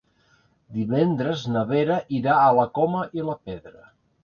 Divendres na Vera irà a la Coma i la Pedra.